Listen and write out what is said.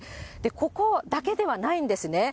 ここだけではないんですね。